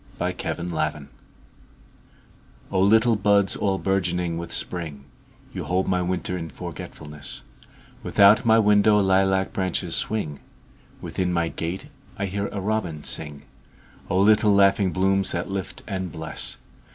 A Song in Spring O LITTLE buds all bourgeoning with Spring, You hold my winter in forgetfulness; Without my window lilac branches swing, Within my gate I hear a robin sing—O little laughing blooms that lift and bless!